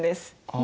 あ。